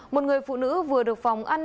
một người phụ nữ vừa được phòng an ninh